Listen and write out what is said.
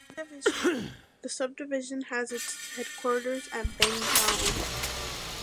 The subdivision has its headquarters at Bangaon.